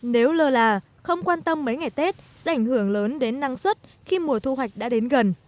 nếu lơ là không quan tâm mấy ngày tết sẽ ảnh hưởng lớn đến năng suất khi mùa thu hoạch đã đến gần